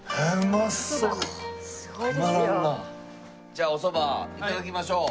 じゃあお蕎麦頂きましょう。